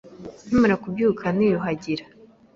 Nkimara kubyuka, niyuhagira.